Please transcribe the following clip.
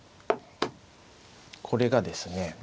これがですね